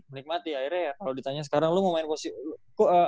akhirnya ya kalo ditanya sekarang lo mau main posisi